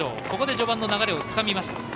ここで序盤の流れをつかみました。